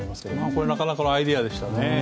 これなかなかのアイデアでしたね。